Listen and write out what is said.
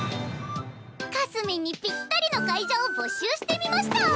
かすみんにぴったりの会場を募集してみました！